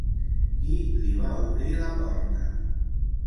Qui li va obrir la porta?